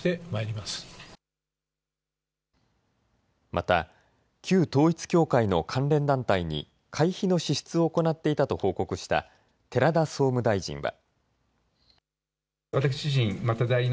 また旧統一教会の関連団体に会費の支出を行っていたと報告した寺田総務大臣は。